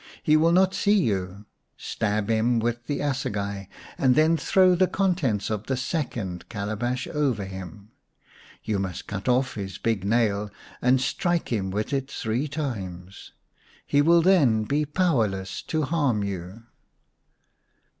He will not see you, stab him with the assegai and then throw the contents of the second calabash over him. You must cut off his big nail, and strike him with it three times ; he will then be powerless to harm you."